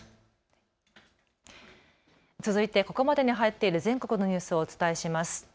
続いてここまでに入っている全国のニュースをお伝えします。